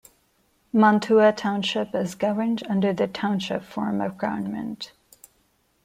Mantua Township is governed under the Township form of government.